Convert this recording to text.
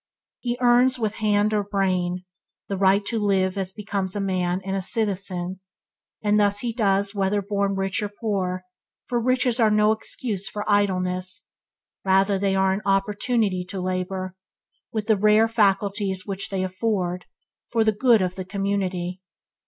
He earns, with hand or brain, the right to live as becomes a man and a citizen; and this he does whether born rich or poor, for riches are no excuse for idleness; rather are they an opportunity to labour, with the rare facilities which they afford, for the good of the community.